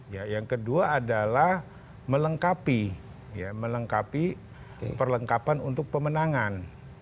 ya yang kedua adalah melengkapi perlengkapan untuk pemenangan